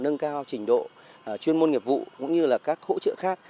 nâng cao trình độ chuyên môn nghiệp vụ cũng như là các hỗ trợ khác